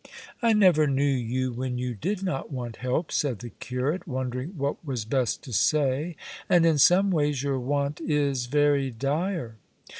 "I never knew you when you did not want help," said the curate, wondering what was best to say; "and in some ways, your want is very dire."